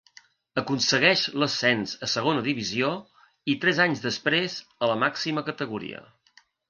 Aconsegueix l'ascens a Segona Divisió, i tres anys després, a la màxima categoria.